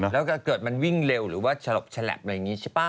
แล้วก็เกิดมันวิ่งเร็วหรือว่าฉลบฉลับอะไรอย่างนี้ใช่ป่ะ